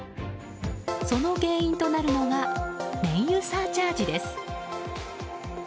その原因となるのが燃油サーチャージです。